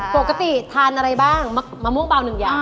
ปกติทานอะไรบ้างมะม่วงเบาหนึ่งอย่าง